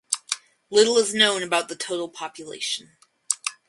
Little is known about the total population.